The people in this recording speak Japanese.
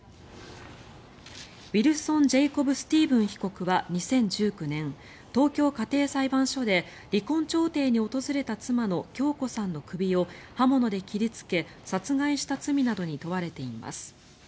ウィルソン・ジェイコブ・スティーブン被告は２０１９年東京家庭裁判所で離婚調停に訪れた妻の香子さんの首を刃物で切りつけ殺害した罪などに問われています。